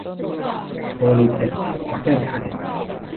โพลีเพล็กซ์ ประเทศไทย